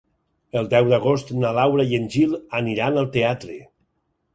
El deu d'agost na Laura i en Gil aniran al teatre.